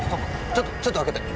ちょちょっと開けて。